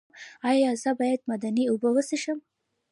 ایا زه باید معدني اوبه وڅښم؟